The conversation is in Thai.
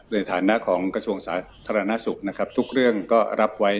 ในฐานะของกระทรวงสาธารณสุขนะครับทุกเรื่องก็รับไว้